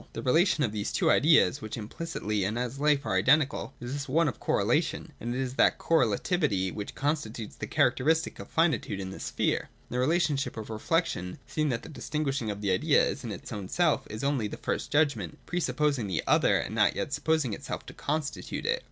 224.] The relation of these two ideas, which implicitly and as Hfe are i^dentical, is thus one of correlation : and it is that correlativity which constitutes the characteristic of finitude in this sphere. It is the relationship of re flection, seeing that the distinguishing of the idea in its 224, 225 ] KNOWLEDGE AND WILL. 363 own self is only the first judgment — presupposing the other and not yet supposing itself to constitute it.